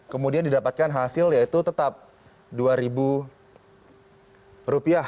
kemudian didapatkan hasil yaitu tetap rp dua